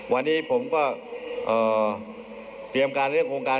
วันนี้ผมก็เตรียมการเรื่องโครงการ